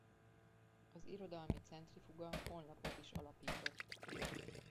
Az Irodalmi Centrifuga honlapot is alapított.